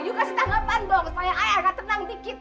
you kasih tanggapan dong supaya ayah gak tenang dikit